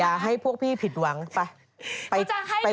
อย่าให้พวกผู้ชายผิดหวังไป